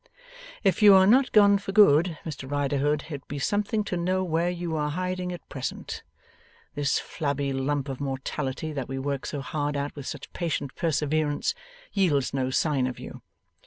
If you are not gone for good, Mr Riderhood, it would be something to know where you are hiding at present. This flabby lump of mortality that we work so hard at with such patient perseverance, yields no sign of you.